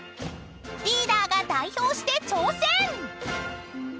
［リーダーが代表して挑戦］